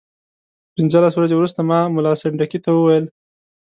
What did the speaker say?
پنځلس ورځې وروسته ما ملا سنډکي ته وویل.